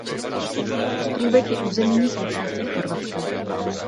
Ostrůvek je územní součástí Chorvatska.